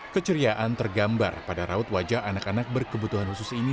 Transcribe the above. keceriaan tergambar pada raut wajah anak anak berkebutuhan khusus ini